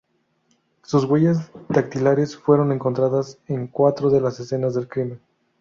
Sus huellas dactilares fueron encontradas en cuatro de las escenas del crimen.